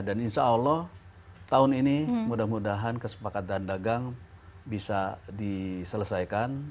dan insya allah tahun ini mudah mudahan kesepakatan dagang bisa diselesaikan